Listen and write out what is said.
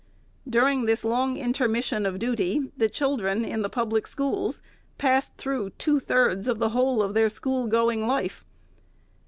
During this long intermission of duty, the children in the public schools passed through two thirds of the whole of their school going life.